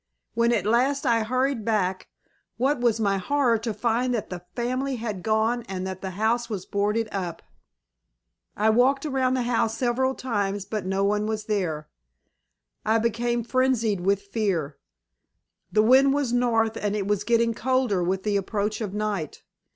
When at last I hurried back, what was my horror to find that the family had gone and that the house was boarded up. I walked around the house several times but no one was there. I became frenzied with fear. The wind was North and it was getting colder with the approach of night.